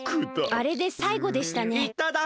あれでさいごでしたね。